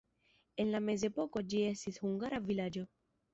En la mezepoko ĝi estis hungara vilaĝo.